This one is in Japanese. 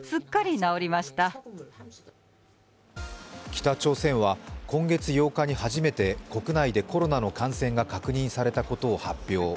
北朝鮮は今月８日に初めて国内でコロナの感染が確認されたことを発表。